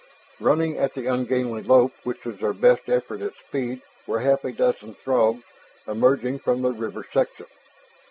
Running at the ungainly lope which was their best effort at speed were half a dozen Throgs emerging from the river section.